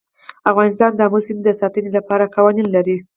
افغانستان د آمو سیند د ساتنې لپاره قوانین لري.